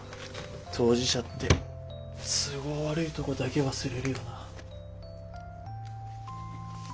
当事者って都合悪いとこだけ忘れるよな。